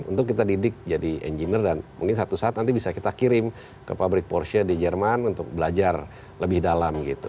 untuk kita didik jadi engineer dan mungkin satu saat nanti bisa kita kirim ke pabrik porscher di jerman untuk belajar lebih dalam gitu